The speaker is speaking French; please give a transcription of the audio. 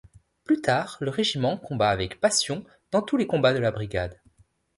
Plus tard le régiment combat avec passion dans tous les combats de la brigade.